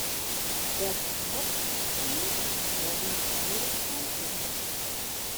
Dêr't it hert fol fan is, dêr rint de mûle fan oer.